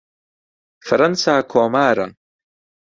فەرەنسا کۆمارە.